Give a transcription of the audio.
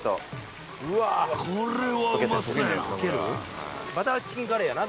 うわ、これはうまそうやな。